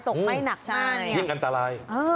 ตกไม่หนักมาก